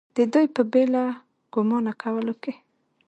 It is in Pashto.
د دوي پۀ بې لګامه کولو کښې